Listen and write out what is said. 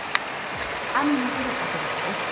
雨の降る確率です。